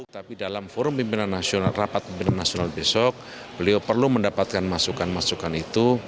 tapi dalam forum rapat pimpinan nasional besok beliau perlu mendapatkan masukan masukan itu